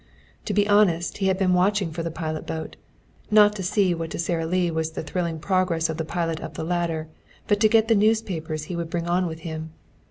To be honest, he had been watching for the pilot boat, not to see what to Sara Lee was the thrilling progress of the pilot up the ladder, but to get the newspapers he would bring on with him.